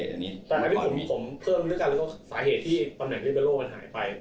สาเหตุที่ตำแหน่งเองเนื้อรมน์มันหายไป